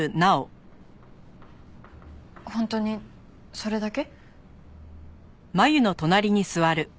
本当にそれだけ？